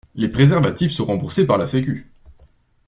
Les préservatifs sont remboursés par la sécu.